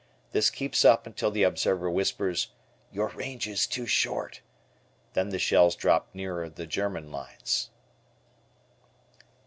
This keeps up until the observer whispers, "Your range is too short." Then the shells drop nearer the German lines.